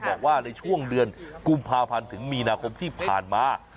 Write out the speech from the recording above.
บอกว่าในช่วงเดือนกุมภาพันธ์ถึงมีนาคมที่ผ่านมา